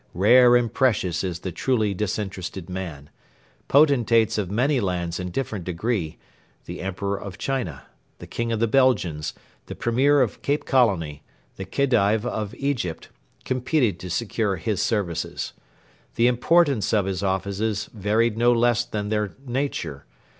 Rare and precious is the truly disinterested man. Potentates of many lands and different degree the Emperor of China, the King of the Belgians, the Premier of Cape Colony, the Khedive of Egypt competed to secure his services. The importance of his offices varied no less than their nature.